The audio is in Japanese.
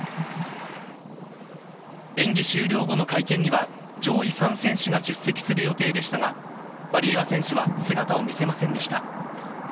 演技終了後の会見には、上位３選手が出席する予定でしたが、ワリエワ選手は姿を見せませんでした。